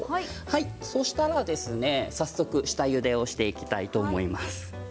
そうしたら早速下ゆでをしていきます。